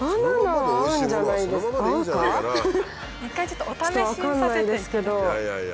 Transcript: ちょっと分かんないですけど。